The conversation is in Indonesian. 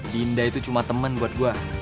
dinda itu cuma teman buat gue